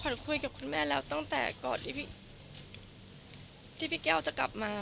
คุยกับคุณแม่แล้วตั้งแต่ก่อนที่พี่แก้วจะกลับมา